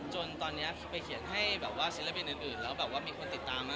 จนตอนนี้ไปเขียนให้แบบว่าศิลปินอื่นแล้วแบบว่ามีคนติดตามมา